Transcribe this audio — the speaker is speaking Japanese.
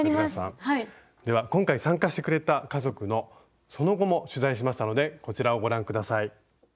では今回参加してくれた家族のその後も取材しましたのでこちらをご覧下さい。